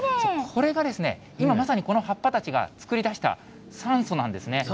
これが今、まさに、この葉っぱたちが作り出した酸素なんですね。